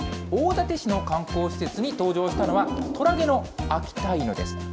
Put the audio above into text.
大館市の観光施設に登場したのは、虎毛の秋田犬です。